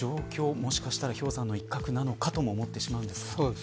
もしかしたら氷山の一角なのかとも思ってしまうんですが。